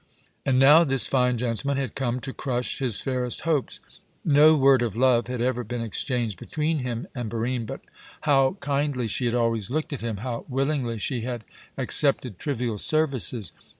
And now this fine gentleman had come to crush his fairest hopes. No word of love had ever been exchanged between him and Barine, but how kindly she had always looked at him, how willingly she had accepted trivial services!